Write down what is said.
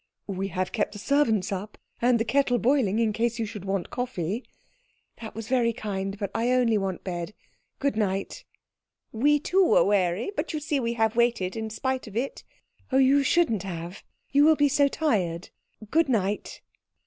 "We have kept the servants up and the kettle boiling in case you should want coffee." "That was very kind, but I only want bed. Good night." "We too were weary, but you see we have waited in spite of it." "Oh, you shouldn't have. You will be so tired. Good night."